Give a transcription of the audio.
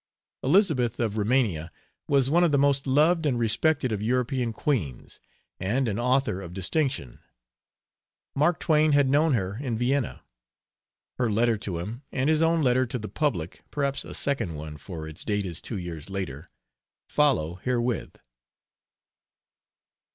Elizabeth of Rumania was one of the most loved and respected of European queens and an author of distinction. Mark Twain had known her in Vienna. Her letter to him and his own letter to the public (perhaps a second one, for its date is two years later) follow herewith.